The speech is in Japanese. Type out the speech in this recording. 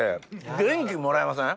元気もらえません？